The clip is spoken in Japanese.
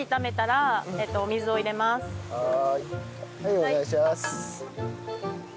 はいお願いします。